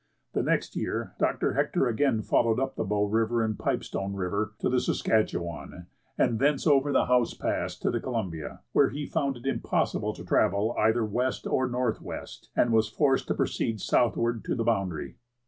The next year Dr. Hector again followed up the Bow River and Pipestone River to the Saskatchewan, and thence over the Howse Pass to the Columbia, where he found it impossible to travel either west or northwest, and was forced to proceed southward to the boundary.